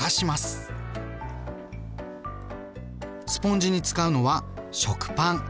スポンジに使うのは食パン。